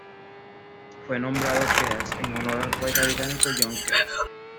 Fue nombrado Keats en honor al poeta británico John Keats.